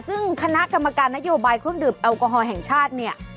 ซึ่งคณะกรรมการนโยบายเครื่องดื่มแอลกอฮอล์แห่งชาติเนี่ย